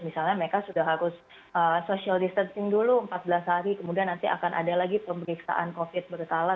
misalnya mereka sudah harus social distancing dulu empat belas hari kemudian nanti akan ada lagi pemeriksaan covid berkala